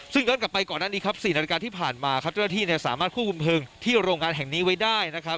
ซึ่งย้อนกลับไปก่อนหน้านี้ครับ๔นาฬิกาที่ผ่านมาครับเจ้าหน้าที่สามารถควบคุมเพลิงที่โรงงานแห่งนี้ไว้ได้นะครับ